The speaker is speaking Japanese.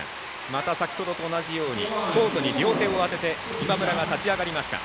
また先ほどと同じようにコートに両手を当てて今村が立ち上がりました。